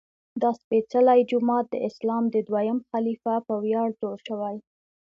دا سپېڅلی جومات د اسلام د دویم خلیفه په ویاړ جوړ شوی.